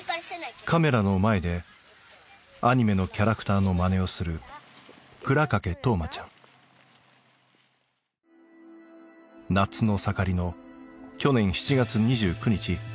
カメラの前でアニメのキャラクターのまねをする夏の盛りの去年７月２９日。